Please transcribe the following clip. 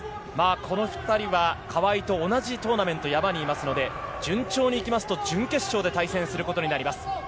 この２人は川井と同じトーナメントの山にいますので、順調にいきますと準決勝で対戦することになります。